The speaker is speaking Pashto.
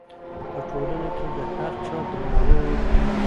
په ټولنه کې د هر چا درناوی وکړه.